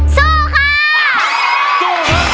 สู้ค่ะ